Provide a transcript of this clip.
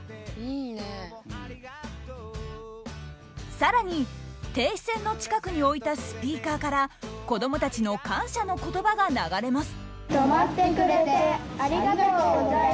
更に停止線の近くに置いたスピーカーから子どもたちの「感謝の言葉」が流れます。